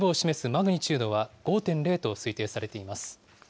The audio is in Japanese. マグニチュードは５．０と推定されています。